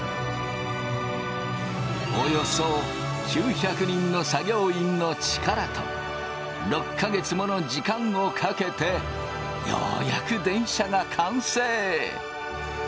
およそ９００人の作業員の力と６か月もの時間をかけてようやく電車が完成。